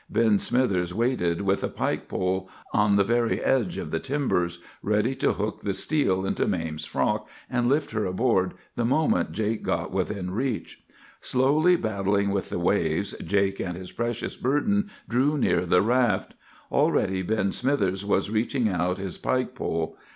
Ben Smithers waited, with a pike pole, on the very edge of the timbers, ready to hook the steel into Mame's frock, and lift her aboard the moment Jake got within reach. "Slowly battling with the waves, Jake and his precious burden drew near the raft. Already Ben Smithers was reaching out his pike pole.